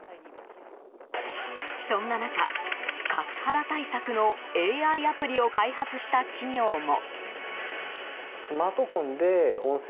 そんな中、カスハラ対策のＡＩアプリを開発した企業も。